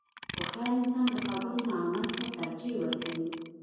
• هوښیار انسان د خبرو نه عمل ته ترجیح ورکوي.